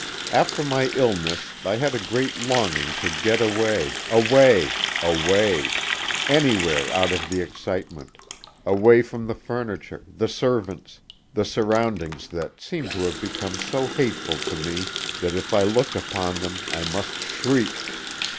After my illness I had a great longing to get away, away, away; anywhere out of the excitement, away from the furniture, the servants, the surroundings that seemed to have become so hateful to me that if I looked upon them I must shriek.